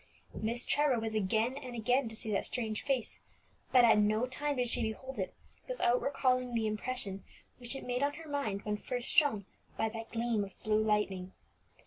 Miss Trevor was again and again to see that strange face, but at no time did she behold it without recalling the impression which it made on her mind when first shown by that gleam of blue lightning.